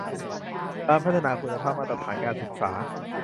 การพัฒนาคุณภาพมาตรฐานการศึกษา